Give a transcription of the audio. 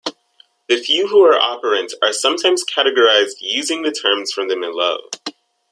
The few who are operant are sometimes categorized using terms from the Milieu.